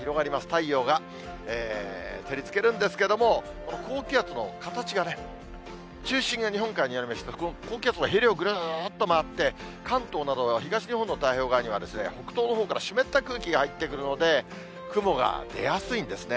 太陽が照りつけるんですけれども、この高気圧の形がね、中心が日本海にありまして、高気圧のへりをぐるっと回って、関東などは東日本の太平洋側には、北東のほうから湿った空気が入ってくるので、雲が出やすいんですね。